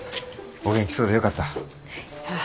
お元気そうでよかった。